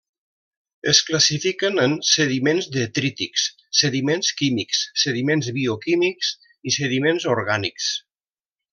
Es classifiquen en sediments detrítics, sediments químics, sediments bioquímics i sediments orgànics.